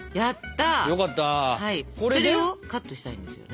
それをカットしたいんですよね。